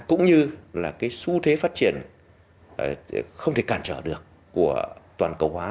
cũng như là cái xu thế phát triển không thể cản trở được của toàn cầu hóa